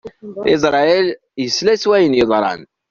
Isṛayil isla s wayen yeḍran.